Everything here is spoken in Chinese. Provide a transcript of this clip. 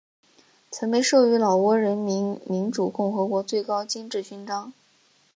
曾被授予老挝人民民主共和国最高金质勋章。